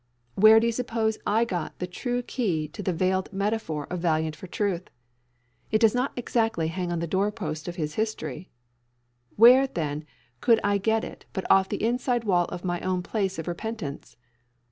Where do you suppose I got the true key to the veiled metaphor of Valiant for truth? It does not exactly hang on the doorpost of his history. Where, then, could I get it but off the inside wall of my own place of repentance?